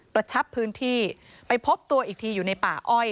ชับพื้นที่ไปพบตัวอีกทีอยู่ในป่าอ้อย